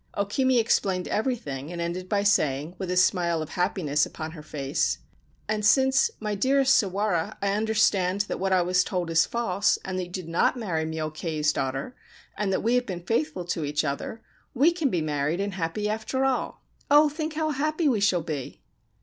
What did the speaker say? O Kimi explained everything, and ended by saying, with a smile of happiness upon her face :' And since, my dearest Sawara, I understand that what I was told is false, and that you did not marry Myokei's daughter, and that we have been faithful to each other, we can be married and happy after all. Oh, think how happy we shall be